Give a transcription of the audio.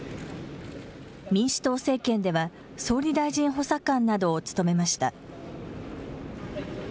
民主党政権では、総理大臣補佐官などを務めました。